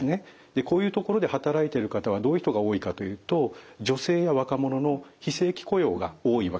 こういうところで働いてる方はどういう人が多いかというと女性や若者の非正規雇用が多いわけです。